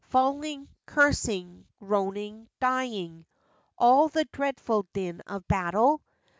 Falling, cursing, groaning, dying— All the dreadful din of battle!